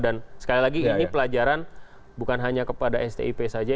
dan sekali lagi ini pelajaran bukan hanya kepada stip saja